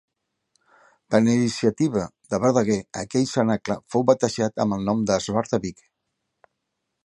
Per iniciativa de Verdaguer aquell cenacle fou batejat amb el nom d'Esbart de Vic.